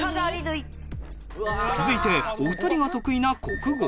続いてお二人が得意な国語。